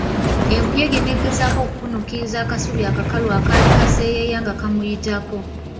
Enkuyege n'egezaako okukunukiriza akasubi akakalu akaali kaseyeeya nga kamuyitako.